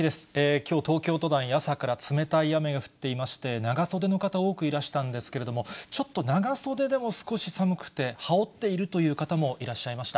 きょう、東京都内に朝から冷たい雨が降っていまして、長袖の方、多くいらしたんですけれども、ちょっと長袖でも少し寒くて、羽織っているという方もいらっしゃいました。